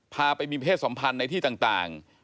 พาไปมีเพศสัมพันธ์ในที่ต่าง